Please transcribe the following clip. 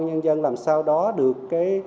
nhân dân làm sao đó được cái